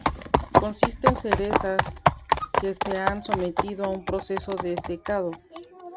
Consisten en cerezas que se han sometido a un proceso de secado.